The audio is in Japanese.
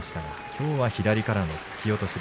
きょうは、左から突き落とし。